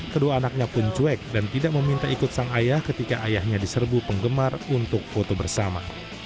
kedua anaknya pun cuek dan tidak meminta ikut sang ayah ketika ayahnya diserbu penggemar untuk foto bersama